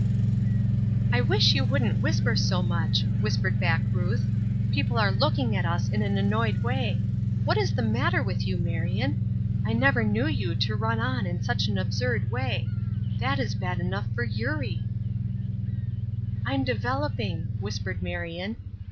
"I wish you wouldn't whisper so much," whispered back Ruth. "People are looking at us in an annoyed way. What is the matter with you, Marion? I never knew you to run on in such an absurd way. That is bad enough for Eurie!" "I'm developing," whispered Marion.